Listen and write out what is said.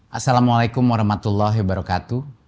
assalamualaikum warahmatullahi wabarakatuh